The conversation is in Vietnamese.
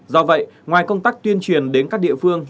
do vậy ngoài công tác tuyên truyền đến các địa phương